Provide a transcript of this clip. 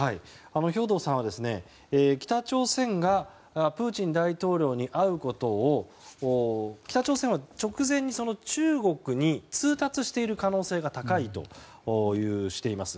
兵頭さんは北朝鮮がプーチン大統領に会うことを北朝鮮は直前に中国に通達している可能性が高いとしています。